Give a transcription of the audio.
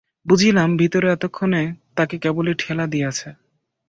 বুঝিলাম, ভিতরে এতক্ষণ তাকে কেবলই ঠেলা দিয়াছে।